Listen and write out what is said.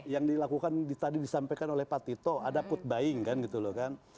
yang dilakukan tadi disampaikan oleh pak tito ada put buying kan gitu loh kan